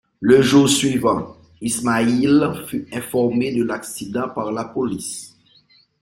Le jour suivant, Ismail fut informé de l'accident par la police.